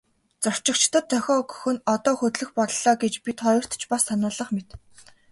Зорчигчдод дохио өгөх нь одоо хөдлөх боллоо гэж бид хоёрт ч бас сануулах мэт.